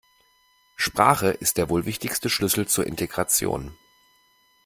Sprache ist der wohl wichtigste Schlüssel zur Integration.